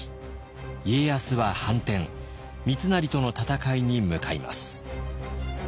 家康は反転三成との戦いに向かいます。